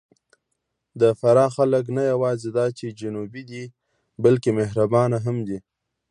د فراه خلک نه یواځې دا چې جنوبي دي، بلکې مهربانه هم دي.